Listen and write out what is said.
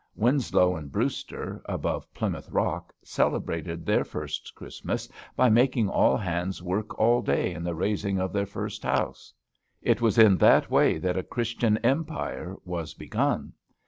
Winslow and Brewster, above Plymouth Rock, celebrated their first Christmas by making all hands work all day in the raising of their first house. It was in that way that a Christian empire was begun.